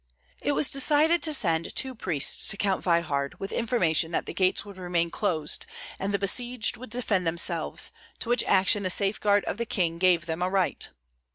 It was decided to send two priests to Count Veyhard with information that the gates would remain closed and the besieged would defend themselves, to which action the safeguard of the king gave them a right.